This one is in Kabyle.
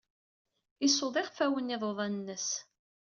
Isuḍ iɣfawen n yiḍudan-nnes.